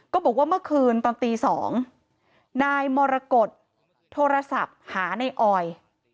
บอกว่าเมื่อคืนตอนตี๒นายมรกฏโทรศัพท์หาในออย